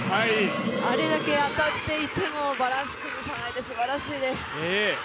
あれだけ当たっていてもバランス崩さないですばらしいです。